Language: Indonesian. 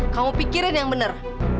kamu pikirin yang bener